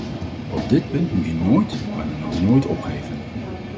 Op dit punt moet je nooit, maar dan ook nooit opgeven.